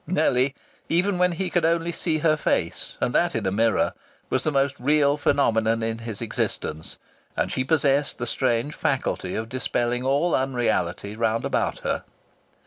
Nellie, even when he could only see her face and that in a mirror! was the most real phenomenon in his existence, and she possessed the strange faculty of dispelling all unreality round about her.